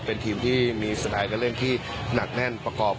เป็นทีมที่มีสไตล์การเล่นที่หนักแน่นประกอบ